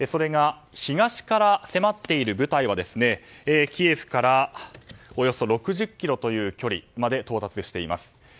東から迫っている部隊はキエフからおよそ６０ｋｍという距離まで到達しています。